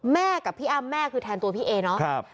แม่กับพี่อ้ำแม่คือแทนตัวพี่เอเนาะ